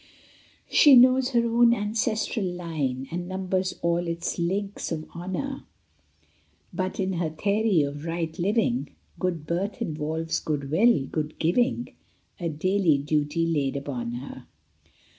She knows her own ancestral line, And numbers all its links of honor ; But in her theory of right living Good birth involves good will, good giving, A daily duty laid upon her.